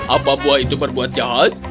apa buah itu berbuat jahat